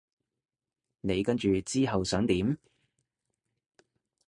你跟住之後想點？